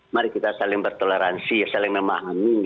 mari kita saling bertoleransi ya saling memahami